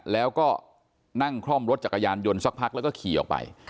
แล้วก็นั่งคล่อมรถจักรยานยนต์สักพักแล้วก็ขี่ออกไป